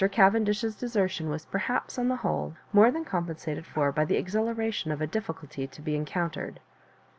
Cavendish's desertion was perhaps, on the. whole, more than compen sated for by the exhilaration of a difficulty to be encountered.